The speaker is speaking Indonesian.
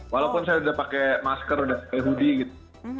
walaupun saya sudah pakai masker sudah pakai hoodie gitu